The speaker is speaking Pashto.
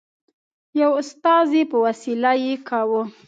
یوه استازي په وسیله یې کاوه.